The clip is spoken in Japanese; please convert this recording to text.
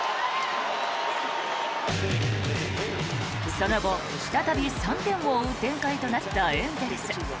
その後、再び３点を追う展開となったエンゼルス。